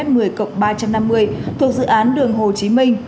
thuộc dự án đường hồ chí minh